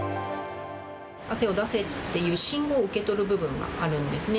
汗を出せっていう信号を受け取る部分があるんですね。